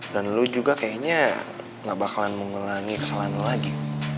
dan lu juga kayaknya gak bakalan mengulangi kesalahan lu lagi